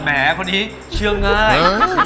แหมคนนี้เชื่อง่าย